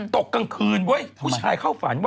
ตกกลางคืนเว้ยผู้ชายเข้าฝันว่า